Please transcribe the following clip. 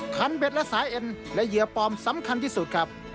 คันเบ็ดและสายเอ็นและเหยื่อปลอมสำคัญที่สุดครับ